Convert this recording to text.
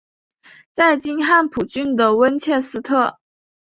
在今汉普郡的温切斯特。